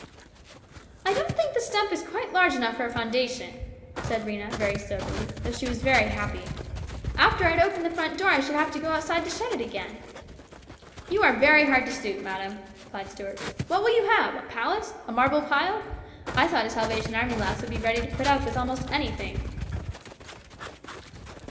u I don't think the stump is quite large enough for a foundation," said Rhena very soberly, though she was very happy. " After I had opened the front door I should have to go outside to shut it again." " You are very hard to suit, madam," replied Stuart. " What will you have ? A palace ? A marble pile ? I thought a Salvation Army lass would be ready to put up with almost anything